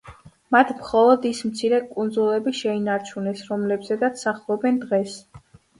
მათ მხოლოდ ის მცირე კუნძულები შეინარჩუნეს, რომლებზედაც სახლობენ დღეს.